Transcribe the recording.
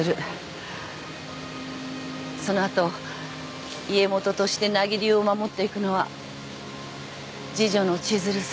その後家元として名木流を守っていくのは次女の千鶴さん